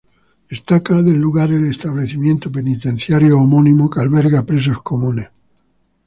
Destaca del lugar el establecimiento penitenciario homónimo, que alberga presos comunes.